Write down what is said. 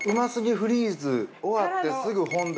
フリーズ終わってすぐ本田。